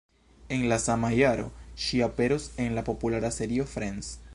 En la sama jaro, ŝi aperos en la populara serio Friends.